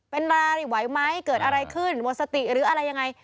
เป็นรานี่ไหวไหมเกิดอะไรขึ้นหมดสติหรืออะไรยังไง